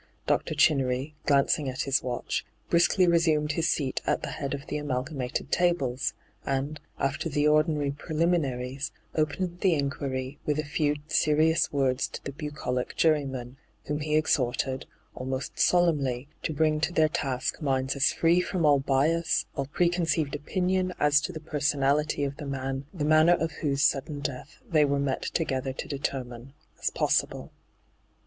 Dr. Ghinnery, glancing at his watch, briskly resumed his seat at the head of the amalgamated tables, and, after the ordinary preliminaries, opened the inquiry with a few hyGoogIc 6o ENTRAPPED serious words to the bucolic jurymen, whom he exhorted, almost solemnly, to bring to their task minds as free from all bias, aU precon ceived opinion as to the personality of the man the manner of whose sudden death they were met together to determine, as possible.